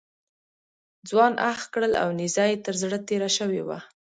ځوان اخ کړل او نیزه یې تر زړه تېره شوې وه.